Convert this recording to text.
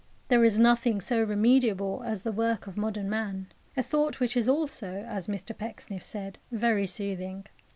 There is nothing so remediable as the work of modern man "a thought which is also," as Mr Pecksniff said, "very soothing."